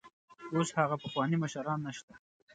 اوس هغه پخواني مشران نشته.